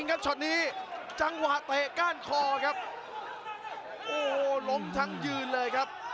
นี่ครับหัวมาเจอแบบนี้เลยครับวงในของพาราดอลเล็กครับ